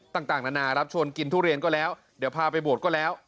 ต่างนานารับชวนกินทุเรียนก็แล้วเดี๋ยวพาไปบวชก็แล้ว